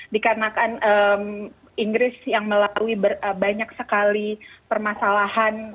dikarenakan inggris yang melalui banyak sekali permasalahan